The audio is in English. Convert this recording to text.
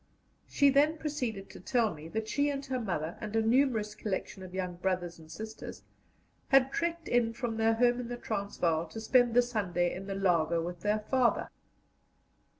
She then proceeded to tell me that she and her mother and a numerous collection of young brothers and sisters had trekked in from their home in the Transvaal to spend the Sunday in the laager with their father.